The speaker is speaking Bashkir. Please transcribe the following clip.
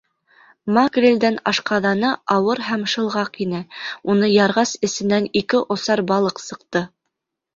Макрелдең ашҡаҙаны ауыр һәм шылғаҡ ине; уны ярғас, эсенән ике осар балыҡ сыҡты.